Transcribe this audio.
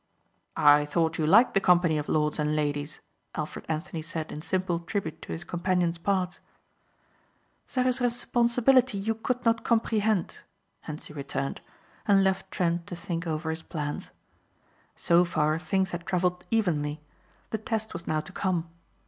"I thought you liked the company of lords and ladies," Alfred Anthony said in simple tribute to his companion's parts. "There is responsibility you could not comprehend," Hentzi returned, and left Trent to think over his plans. So far things had travelled evenly. The test was now to come.